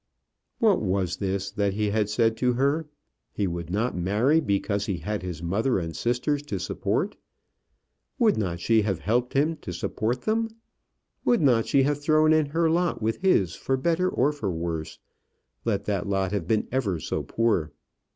What was this that he had said to her? He would not marry because he had his mother and sisters to support. Would not she have helped to support them? Would not she have thrown in her lot with his for better or for worse, let that lot have been ever so poor?